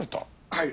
はい。